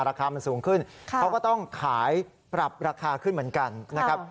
ราคามันสูงขึ้นเขาก็ต้องขายปรับราคาขึ้นเหมือนกันนะครับ